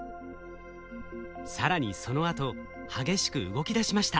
更にそのあと激しく動きだしました。